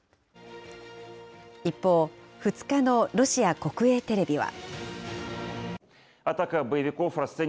一方、２日のロシア国営テレビは。